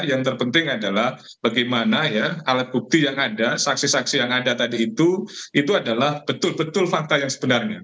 yang terpenting adalah bagaimana ya alat bukti yang ada saksi saksi yang ada tadi itu itu adalah betul betul fakta yang sebenarnya